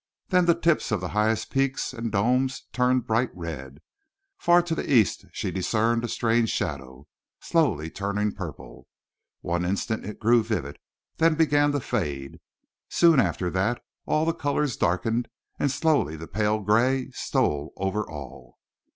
Then the tips of the highest peaks and domes turned bright red. Far to the east she discerned a strange shadow, slowly turning purple. One instant it grew vivid, then began to fade. Soon after that all the colors darkened and slowly the pale gray stole over all.